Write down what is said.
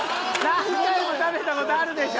何回も食べた事あるでしょ。